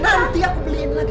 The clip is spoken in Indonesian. nanti aku beliin lagi